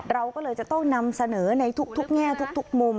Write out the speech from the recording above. เราก็เลยจะต้องนำเสนอในทุกแง่ทุกมุม